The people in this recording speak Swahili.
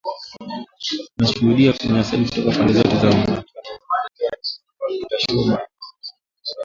“Tunashuhudia unyanyasaji kutoka pande zote katika mzozo” aliongeza Rutashobya